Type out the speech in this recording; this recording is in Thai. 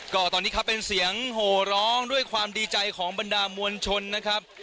ก็ตอนนี้ครับเป็นเสียงโหร้องด้วยความดีใจของบรรดามวลชนนะครับ